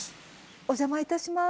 お邪魔いたします。